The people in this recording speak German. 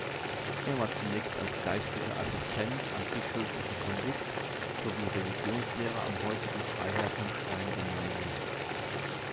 Er war zunächst als Geistlicher Assistent am Bischöflichen Konvikt sowie Religionslehrer am heutigen Freiherr-vom-Stein-Gymnasium.